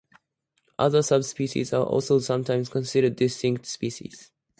Other subspecies are also sometimes considered distinct species.